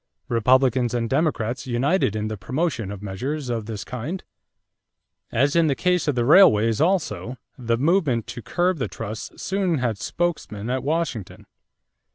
Republicans and Democrats united in the promotion of measures of this kind. As in the case of the railways also, the movement to curb the trusts soon had spokesmen at Washington.